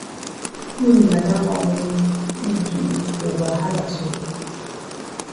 No be na dat wan wey yi di over hala so.